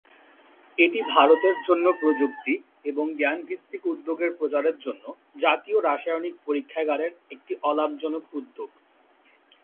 এটি ভারতের জন্য প্রযুক্তি এবং জ্ঞান-ভিত্তিক উদ্যোগের প্রচারের জন্য জাতীয় রাসায়নিক পরীক্ষাগার এর একটি অলাভজনক উদ্যোগ।